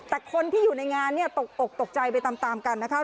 แต่คนที่อยู่ในงานเนี่ยตกอกตกใจไปตามกันนะคะ